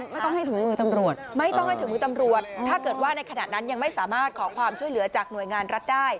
ไม่ต้องให้ถึงมือตำรวจไม่ต้องให้ถึงมือตำรวจถ้าเกิดว่าในขณะนั้นยังไม่สามารถขอความช่วยเหลือจากหน่วยงานรัฐได้